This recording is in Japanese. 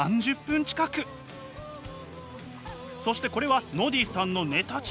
そしてこれはノディさんのネタ帳。